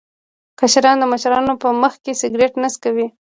کشران د مشرانو په مخ کې سګرټ نه څکوي.